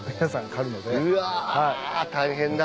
うわ大変だ。